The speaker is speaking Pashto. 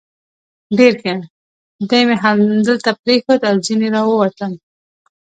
ډېر ښه، دی مې همدلته پرېښود او ځنې را ووتم.